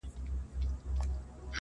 په رباب کي بم او زیر را سره خاندي-